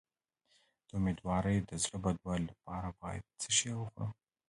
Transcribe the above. د امیدوارۍ د زړه بدوالي لپاره باید څه شی وخورم؟